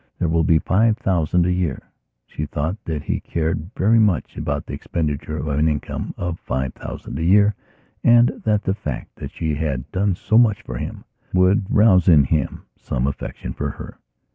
There will be five thousand a year." She thought that he cared very much about the expenditure of an income of five thousand a year and that the fact that she had done so much for him would rouse in him some affection for her.